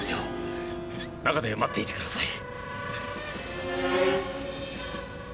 中で待っていてください。